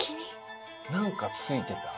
なんかついてた？